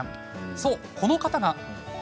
そう、この方が。